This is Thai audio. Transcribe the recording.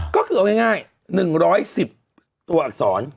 ก็คือเอาง่าย๑๑๐ตัวอักษร